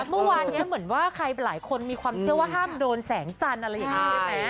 เมื่อวานนี้เหมือนว่าใครหลายคนมีความเชื่อว่าห้ามโดนแสงจันทร์อะไรอย่างนี้ใช่ไหม